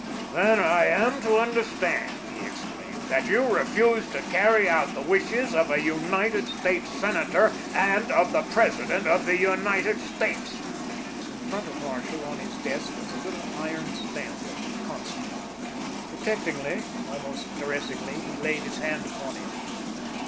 [Illustration: "Then I am to understand," he exclaimed, "that you refuse to carry out the wishes of a United States Senator and of the President of the United States?"] In front of Marshall, on his desk, was the little iron stamp of the consulate. Protectingly, almost caressingly, he laid his hand upon it.